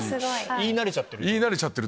言い慣れちゃってる。